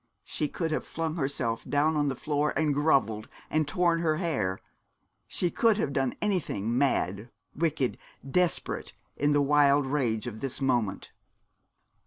She could have flung herself down on the floor and grovelled, and torn her hair she could have done anything mad, wicked, desperate, in the wild rage of this moment.